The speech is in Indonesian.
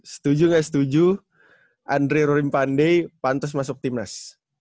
setuju gak setuju andri rurimpande pantas masuk timnas